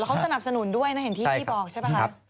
แล้วเขาสนับสนุนด้วยนะเห็นที่พี่บอกใช่ไหมครับ